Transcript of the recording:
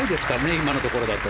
今のところだと。